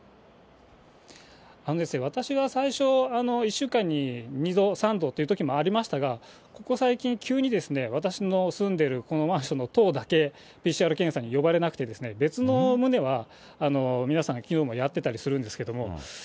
私が最初、１週間に２度、３度というときもありましたが、ここ最近、急に私の住んでいるこのマンションの棟だけ、ＰＣＲ検査に呼ばれなくて、別の棟は、皆さん、きのうもやってたりするんですけど。